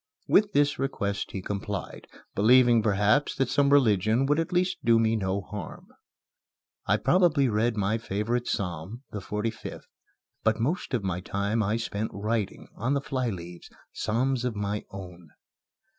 With this request he complied, believing, perhaps, that some religion would at least do me no harm. I probably read my favorite psalm, the 45th; but most of my time I spent writing, on the flyleaves, psalms of my own.